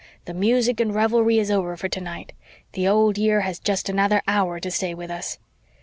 The music and revelry is over for tonight. The old year has just another hour to stay with us.